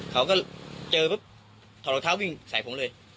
เขาก็เจอปุ๊บถอดรองเท้าวิ่งใส่ผมเลย